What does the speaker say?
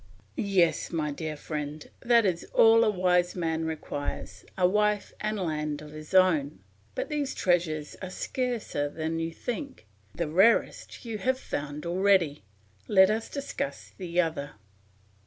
"Yes, my dear friend, that is all a wise man requires, a wife and land of his own; but these treasures are scarcer than you think. The rarest you have found already; let us discuss the other.